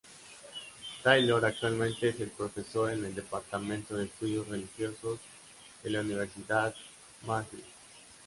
Taylor actualmente es profesor en el departamento de estudios religiosos de la Universidad McGill.